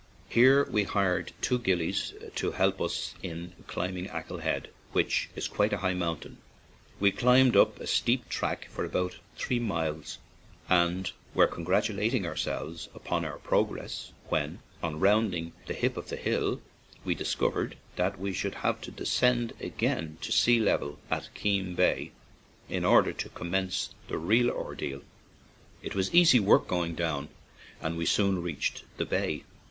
Here we hired two gillies to help us in climbing Achill Head, which is quite a high mountain. We climbed up a steep track for about three miles, and were con gratulating ourselves upon our progress, when, on rounding the hip of the hill, we discovered that we should have to de scend again to sea level at Keem Bay, 8 4 ACHILL ISLAND in order to commence the real ordeal. It was easy work going down, and we soon reached the bay.